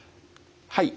はい。